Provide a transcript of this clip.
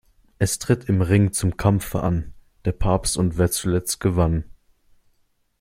Es tritt im Ring zum Kampfe an: Der Papst und wer zuletzt gewann.